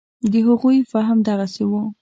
د هغوی فهم دغسې و.